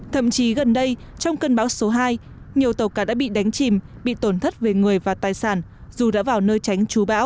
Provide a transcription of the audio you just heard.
thậm chí gần đây trong cơn bão số hai nhiều tàu cá đã bị đánh chìm bị tổn thất về người và tài sản dù đã vào nơi tránh chú bão